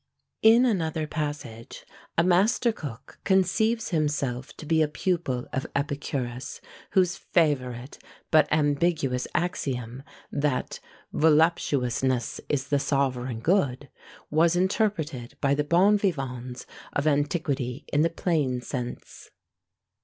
In another passage a Master Cook conceives himself to be a pupil of Epicurus, whose favourite but ambiguous axiom, that "Voluptuousness is the sovereign good," was interpreted by the bon vivans of antiquity in the plain sense.